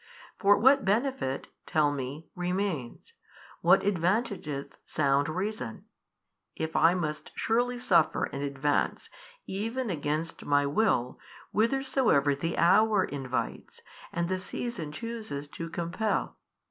For what benefit (tell me) remains, what advantageth sound reason, if I must surely suffer and advance even against my will, whithersoever the hour invites and the season chooses to compel?